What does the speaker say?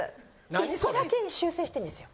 １コだけ修正してるんですよ。